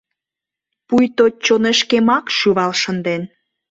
Пуйто чонышкемак шӱвал шынден.